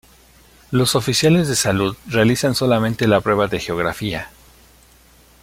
Los oficiales de Salud realizan solamente la prueba de Geografía.